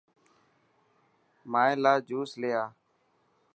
مائي لا جوس لي اي.